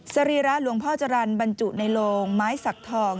สรีระหลวงพ่อจรรย์บรรจุในโลงไม้สักทอง